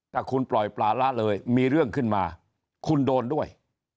ถ้าคุณปล่อยปลาละเลยมีเรื่องขึ้นมาคุณโดนด้วย